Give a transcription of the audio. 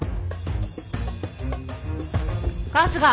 ・春日！